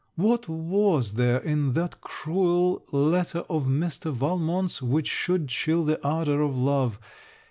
What was there in that cruel letter of Mr. Valmont's which should chill the ardour of love?